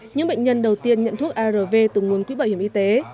những bệnh nhân đầu tiên nhận thuốc arv từ nguồn quỹ bảo hiểm y tế